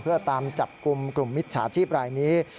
เพื่อตามจับกลุ่มกลุ่มมิจฉาชีพรายนี้